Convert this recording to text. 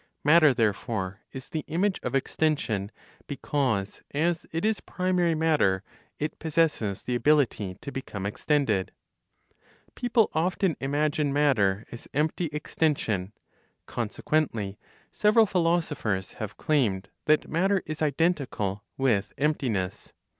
Matter therefore, is the image of extension, because as it is primary matter, it possesses the ability to become extended. People often imagine matter as empty extension; consequently several philosophers have claimed that matter is identical with emptiness.